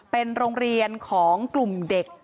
เป็นโรงเรียนของกลุ่มเด็ก